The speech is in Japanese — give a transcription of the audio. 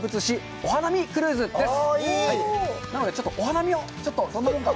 お花見クルーズです。